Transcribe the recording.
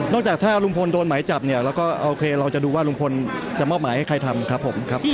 นอกจากถ้าลมพลรุนโดนหมายจับเราก็ดูว่ารมพลจะหมอบหมายให้ใครทำ